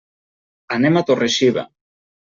Anem a Torre-xiva.